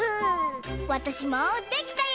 わたしもできたよ！